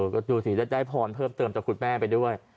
ก็ดูสิได้พรเพิ่มเติมจากคุณแม่ไปด้วย